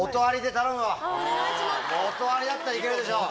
音ありだったらいけるでしょう。